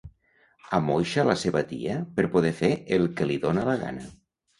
Amoixa la seva tia per poder fer el que li dona la gana.